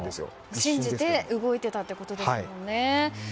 信じて動いてたということですね。